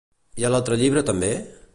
I a l'altre llibre també?